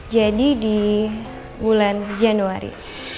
jadi di bulan januari